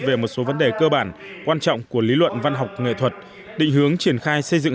về một số vấn đề cơ bản quan trọng của lý luận văn học nghệ thuật định hướng triển khai xây dựng